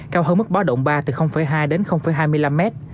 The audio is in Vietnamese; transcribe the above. cao hơn mức báo động ba từ hai m